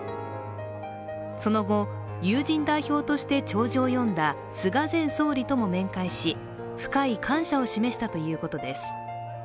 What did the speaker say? その後、友人代表として弔辞を読んだ菅前総理とも面会し深い感謝を示したということです。